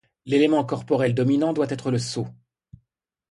L'élément corporel dominant doit être le saut.